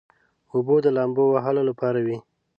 اوبه د لامبو وهلو لپاره وي.